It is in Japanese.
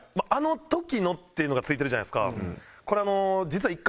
「あの時の」っていうのがついてるじゃないですか。